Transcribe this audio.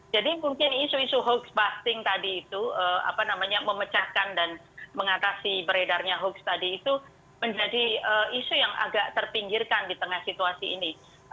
jadi mungkin isu isu hoax fasting tadi itu apa namanya memecahkan dan mengatasi beredarnya hoax tadi itu menjadi isu yang agak terpinggirkan di tengah situasi ini